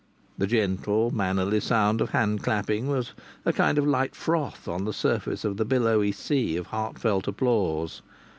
The gentle, mannerly sound of hand clapping was a kind of light froth on the surface of the billowy sea of heartfelt applause.